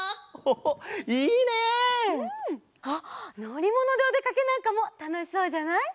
うん！あっのりものでおでかけなんかもたのしそうじゃない？